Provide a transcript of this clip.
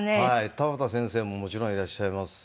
田端先生ももちろんいらっしゃいますし。